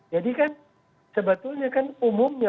jadi kan sebetulnya kan umumnya